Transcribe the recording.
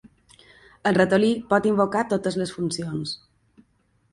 El ratolí pot invocar totes les funcions.